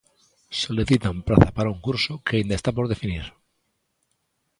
Solicitan praza para un curso que aínda está por definir.